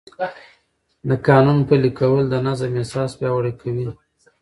د قانون پلي کول د نظم احساس پیاوړی کوي.